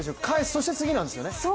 そして、次なんですよね。